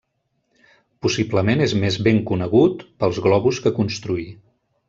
Possiblement és més ben conegut pels globus que construí.